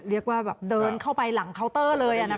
เรียกว่าแบบเดินเข้าไปหลังเคาน์เตอร์เลย